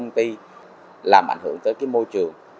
công ty làm ảnh hưởng tới môi trường